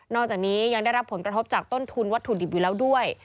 จากนี้ยังได้รับผลกระทบจากต้นทุนวัตถุดิบอยู่แล้วด้วย